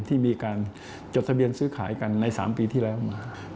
ที่มีการจดทะเบียนซื้อขายกันใน๓ปีที่แล้วมา